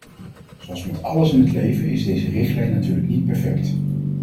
Zoals met alles in het leven is deze richtlijn natuurlijk niet perfect.